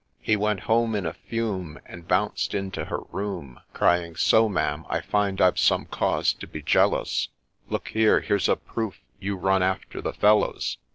He went home in a fume, And bounced into her room, Crying, ' So, Ma'am, 1 find I've some cause to be jealous I Look here !— here 's a proof you run after the fellows